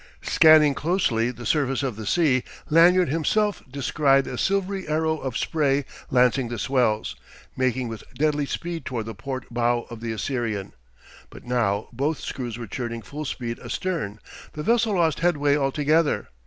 Scanning closely the surface of the sea, Lanyard himself descried a silvery arrow of spray lancing the swells, making with deadly speed toward the port bow of the Assyrian. But now both screws were churning full speed astern; the vessel lost headway altogether.